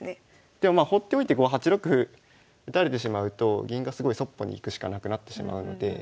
でもまあほっといてこう８六歩打たれてしまうと銀がすごいそっぽに行くしかなくなってしまうので。